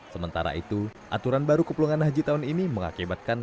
sementara itu aturan baru kepulangan haji tahun ini mengakibatkan